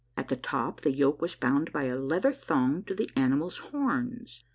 At the top the yoke was bound by a leather thong to the animal's horns.